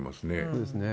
そうですね。